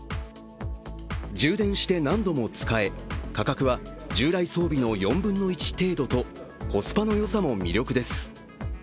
充電して何度も使え、価格は従来装備の４分の１程度とコスパのよさも魅力です。